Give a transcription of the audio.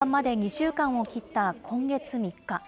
しかし、本番まで２週間を切った今月３日。